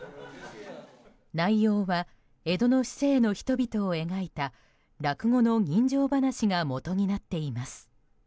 内容は江戸の市井の人々を描いた落語の人情噺がもとになっています。